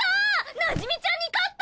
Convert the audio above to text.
なじみちゃんに勝った！